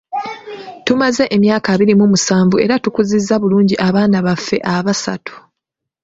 Tumaze emyaka abiri mu musanvu era tukuzizza bulungi abaana baffe abasatu .